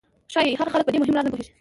ښایي هغه خلک په دې مهم راز نه پوهېږي